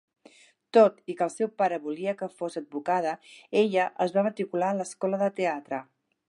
Tot i que el seu pare volia que fos advocada, ella es va matricular a l'escola de teatre.